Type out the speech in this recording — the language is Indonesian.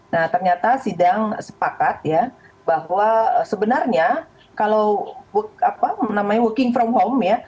nah ternyata sidang sepakat ya bahwa sebenarnya kalau working from home ya